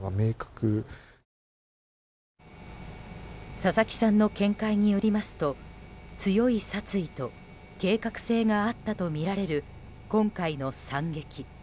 佐々木さんの見解によりますと強い殺意と計画性があったとみられる今回の惨劇。